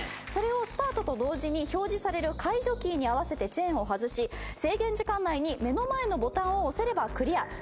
それをスタートと同時に表示される解除キーに合わせてチェーンを外し制限時間内に目の前のボタンを押せればクリア。